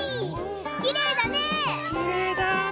きれいだね！